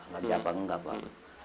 kerja apa enggak pak